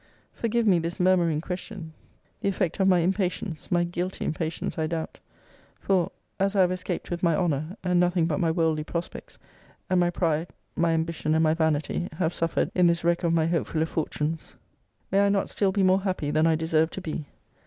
Forgive me this murmuring question, the effect of my impatience, my guilty impatience, I doubt: for, as I have escaped with my honour, and nothing but my worldly prospects, and my pride, my ambition, and my vanity, have suffered in this wretch of my hopefuller fortunes, may I not still be more happy than I deserve to be?